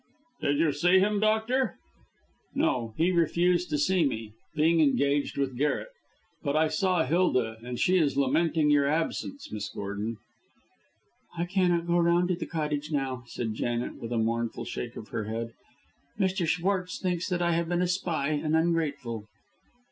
"Did you see him, doctor?" "No, he refused to see me, being engaged with Garret. But I saw Hilda, and she is lamenting your absence, Miss Gordon." "I cannot go round to the cottage now," said Janet, with a mournful shake of her head. "Mr. Schwartz thinks that I have been a spy and ungrateful."